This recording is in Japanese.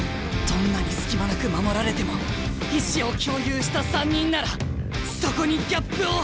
どんなに隙間なく守られても意思を共有した３人ならそこにギャップを生む！